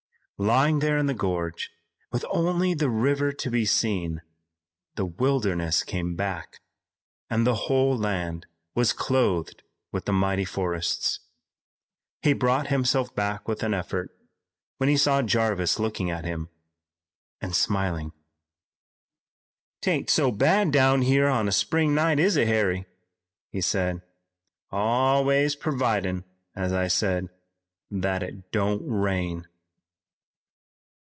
Lying there in the gorge, with only the river to be seen, the wilderness came back, and the whole land was clothed with the mighty forests. He brought himself back with an effort, when he saw Jarvis looking at him and smiling. "'Tain't so bad down here on a spring night, is it, Harry?" he said. "Always purvidin', as I said, that it don't rain."